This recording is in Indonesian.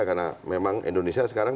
karena memang indonesia sekarang